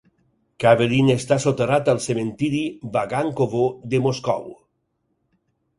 Kaverin està soterrat al cementiri Vagankovo de Moscou.